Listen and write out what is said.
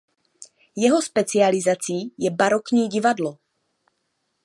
Jeho specializací je barokní divadlo.